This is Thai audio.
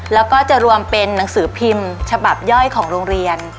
แล้วก็จะรวมเป็นหนังสือพิมพ์ฉบับย่อยของโรงเรียน